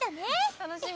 楽しみ。